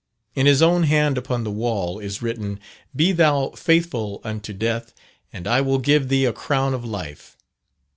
In his own hand, upon the wall, is written, "Be thou faithful unto death, and I will give thee a crown of life."